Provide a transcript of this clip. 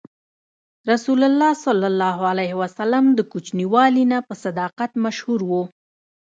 رسول الله ﷺ د کوچنیوالي نه په صداقت مشهور و.